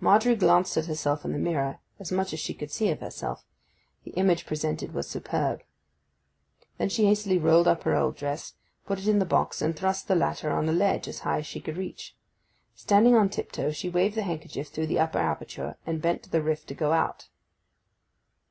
Margery glanced at herself in the mirror, or at as much as she could see of herself: the image presented was superb. Then she hastily rolled up her old dress, put it in the box, and thrust the latter on a ledge as high as she could reach. Standing on tiptoe, she waved the handkerchief through the upper aperture, and bent to the rift to go out.